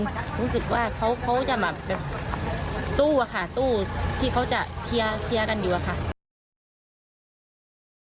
รู้สึกว่าเขาเขาจะมาตู้อ่ะค่ะตู้ที่เขาจะเคียร์